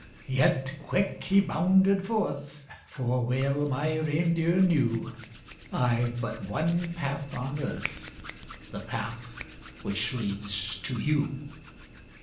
Yet quick he bounded forth; For well my reindeer knew I've but one path on earth The path which leads to you.